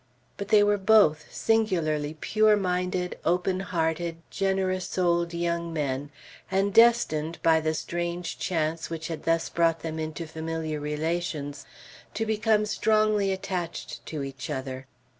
But they were both singularly pure minded, open hearted, generous souled young men, and destined, by the strange chance which had thus brought them into familiar relations, to become strongly attached to each other.